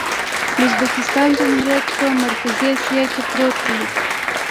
د ازبکستان جمهوریت په مرکزي اسیا کې پروت دی.